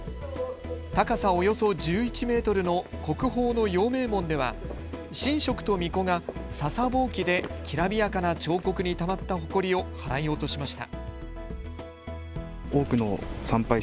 高さおよそ１１メートルの国宝の陽明門では神職とみこがささぼうきできらびやかな彫刻にたまったほこりを払い落としました。